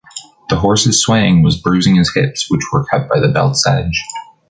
The horse’s swaying was bruising his hips, which were cut by the belt’s edge.